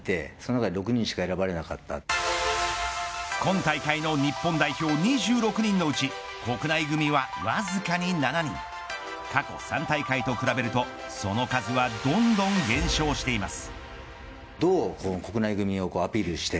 今大会の日本代表２６人のうち国内グミはわずかに７人過去３大会と比べるとその数はどんどん減少しています。